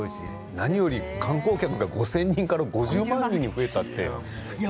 何より観光客が５０００人から５０万人に増えたってすごい。